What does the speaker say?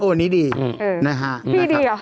โอ้นี่ดีนะฮะนะครับดีอ่ะ